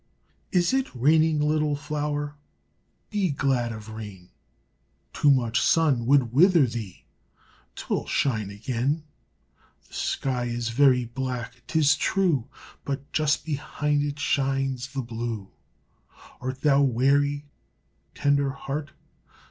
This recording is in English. Is it raining, little flower? Be glad of rain. Too much sun would wither thee, 'Twill shine again. The sky is very black, 'tis true, But just behind it shines The blue. Art thou weary, tender heart?